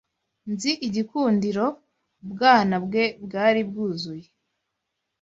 Nzi igikundiro ubwana bwe bwari bwuzuye